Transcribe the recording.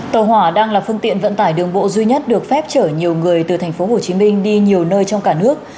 tàu hỏa đang là phương tiện vận tải đường bộ duy nhất được phép chở nhiều người từ tp hcm đi nhiều nơi trong cả nước